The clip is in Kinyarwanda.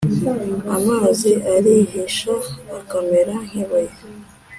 Amazi arihisha akamera nk ibuye